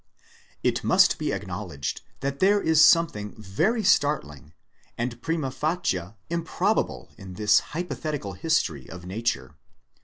It must be acknowledged that there is something very startling, and prima facie improbable in this hypothetical history of Nature.